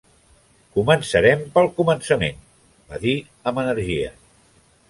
"Començarem pel començament", va dir amb energia.